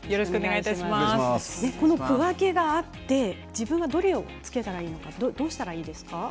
この区分けがあって自分はどれをつけたらいいのかどうしたらいいですか。